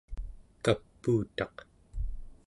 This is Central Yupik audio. kapuutaq